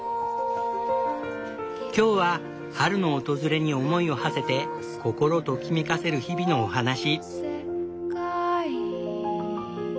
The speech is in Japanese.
今日は春の訪れに思いをはせて心ときめかせる日々のお話。